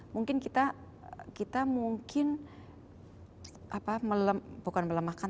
mungkin kita mungkin bukan melemahkan